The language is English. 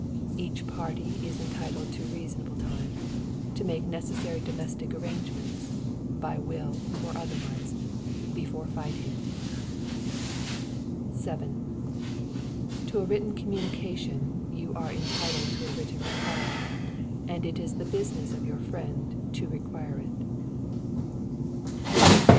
Each party is entitled to reasonable time, to make the necessary domestic arrangements, by will or otherwise, before fighting. 7. To a written communication you are entitled to a written reply, and it is the business of your friend to require it.